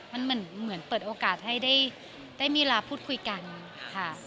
มันเหมือนเปิดโอกาสให้ได้มีเวลาพูดคุยกันค่ะ